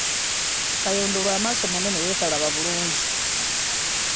Kayondo lwa maaso manene naye talaba bulungi.